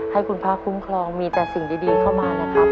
ให้คุณพระคุ้มครองมีแต่สิ่งดีเข้ามานะครับ